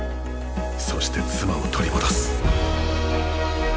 そして妻を取り戻す。